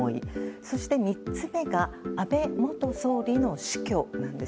そして３つ目が安倍元総理の死去なんです。